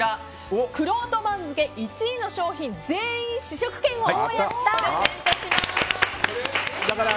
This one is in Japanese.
くろうと番付１位の商品全員試食券をプレゼントします。